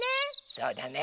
そうだね。